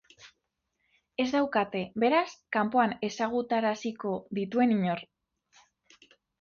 Ez daukate, beraz, kanpoan ezagutaraziko dituen inor.